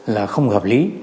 là không hợp lý